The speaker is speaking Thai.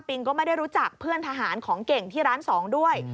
ก็ไม่ได้รู้จักเพื่อนทหารของเก่งที่ร้านสองด้วย